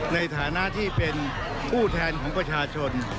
ในฐานะที่เป็นผู้แทนของประชาชน